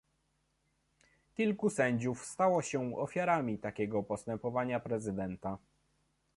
Kilku sędziów stało się ofiarami takiego postępowania prezydenta